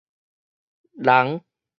膿